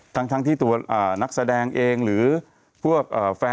ท่านที่ตัวนักแสดงเองหรือหาได้เอ่ย